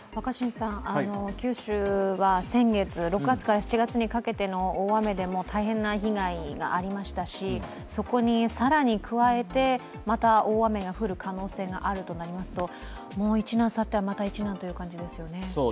九州は先月、６月から７月にかけての大雨でも大変な被害がありましたし、そこに更に加えて、また大雨が降る可能性があるとしますと、もう一難去ってはまた一難という感じですよね。